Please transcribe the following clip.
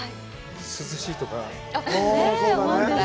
涼しいとか。